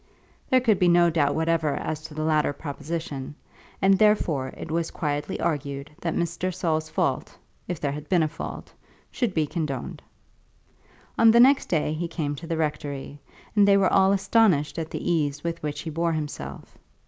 There could be no doubt whatever as to the latter proposition, and therefore it was quietly argued that Mr. Saul's fault, if there had been a fault, should be condoned. On the next day he came to the rectory, and they were all astonished at the ease with which he bore himself.